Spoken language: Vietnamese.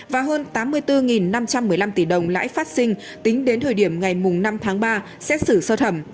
và hơn tám mươi bốn năm trăm một mươi năm tỷ đồng lãi phát sinh tính đến thời điểm ngày năm tháng ba xét xử sơ thẩm